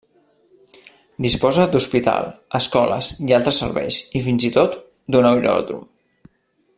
Disposa d'hospital, escoles i altres serveis, i fins i tot d'un aeròdrom.